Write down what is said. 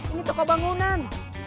ini toko bangunan